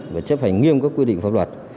và chấp hành nghiêm các quy định pháp luật